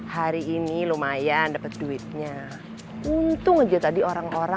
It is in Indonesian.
hari ini lumayan dapet duitnya untung aja tadi orang orang